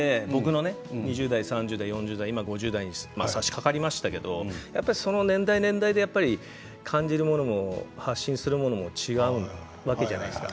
熊川さんの考える僕は今５０代にさしかかりましたけれども年代、年代で感じるものも発信するものも違うわけじゃないですか。